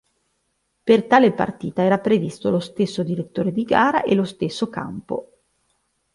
Per tale partita era previsto lo stesso direttore di gara e lo stesso campo.